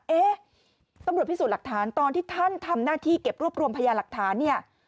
เอ๊ะตำรวจพิสูจน์หลักฐานตอนที่ท่านทำหน้าที่เก็บรวบรวมพยาหลักฐานเนี่ย